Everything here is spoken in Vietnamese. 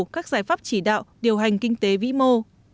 các giải pháp chỉ đạo điều hành kinh tế vĩ mô